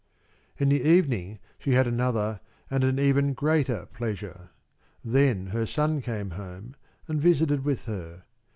In the evening she had another and an even greater pleasure. Then her son came home and visited with her.